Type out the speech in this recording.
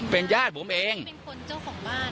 เป็นคนเจ้าของบ้าน